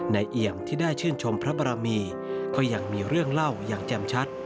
เอี่ยมที่ได้ชื่นชมพระบรมีก็ยังมีเรื่องเล่าอย่างแจ่มชัด